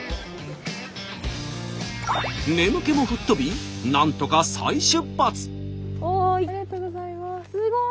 眠気も吹っ飛びなんとか再出発。